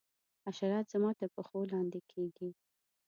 حشرات زما تر پښو لاندي کیږي.